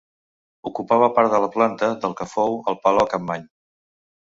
Ocupava part de la planta del que fou el Palau Capmany.